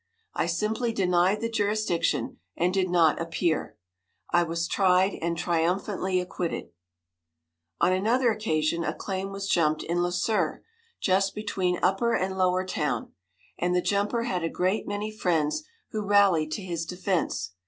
I simply denied the jurisdiction, and did not appear. I was tried, and triumphantly acquitted. On another occasion a claim was jumped in Le Sueur, just between upper and lower town, and the jumper had a great many friends who rallied to his defense.